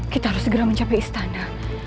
kita harus segera mencapai istana